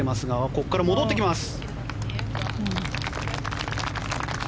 ここから戻ってきます。